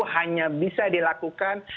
hanya bisa dilakukan